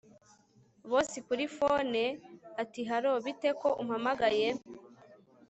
Boss kuri phone atihallo bite ko umpamagaye